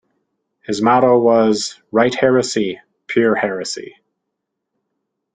His motto was: 'Write heresy, pure heresy.